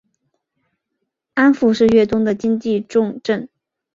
庵埠是粤东的经济重镇。